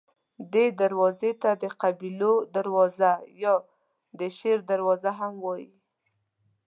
دې دروازې ته د قبیلو دروازه یا د شیر دروازه هم وایي.